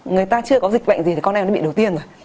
người ta chưa có dịch bệnh gì thì con em đã bị đầu tiên rồi